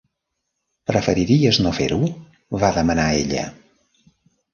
"Preferiries no fer-ho?", va demanar ella.